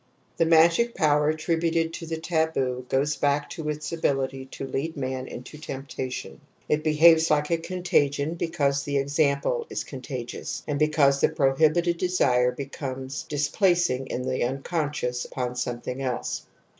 ;\J ( The magic power attributed to taboo goes back to its ability to lead man into temptation^ it behaves like a contagion, because the example is contagious, and because the prohibited desire i becomes di splacing in the unconscious uponl^ something else.